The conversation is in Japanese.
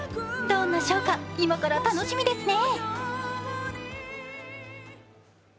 どんなショーか今から楽しみですね。